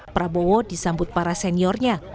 prabowo disambut para seniornya